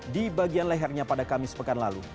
di bagian lehernya pada kamis pekan lalu